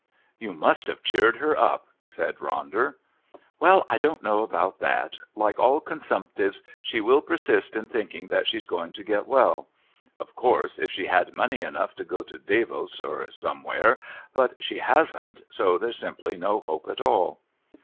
"You must have cheered her up," said Ronder. "Well, I don't know about that. Like all consumptives she will persist in thinking that she's going to get well. Of course, if she had money enough to go to Davos or somewhere...but she hasn't, so there's simply no hope at all."